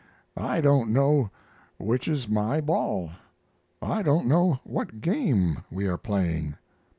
I don't know which is my ball. I don't know what game we are playing."